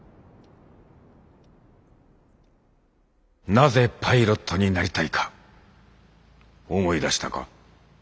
なぜパイロットになりたいか思い出したか？